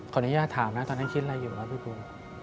อนุญาตถามนะตอนนั้นคิดอะไรอยู่ครับพี่ปู